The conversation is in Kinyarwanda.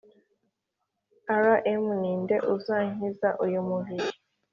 Rm Ni nde uzankiza uyu mubiri